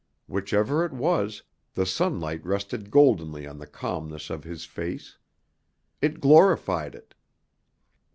Whichever it was, the sunlight rested goldenly on the calmness of his face. It glorified it.